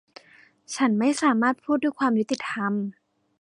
ฉันไม่สามารถพูดด้วยความยุติธรรม